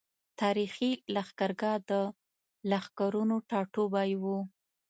تاريخي لښکرګاه د لښکرونو ټاټوبی وو۔